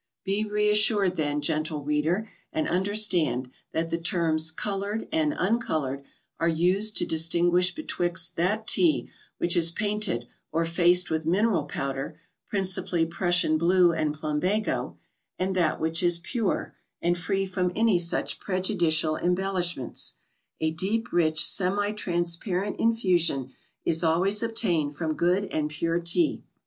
Be reassured then, gentle reader, and understand that the terms "coloured" and "uncoloured" are used to distinguish betwixt that Tea which is painted or faced with mineral powder, principally Prussian blue and plumbago, and that which is pure, and free from any such prejudicial embellishments. A deep rich semi transparent infusion is always obtained from good and pure Tea.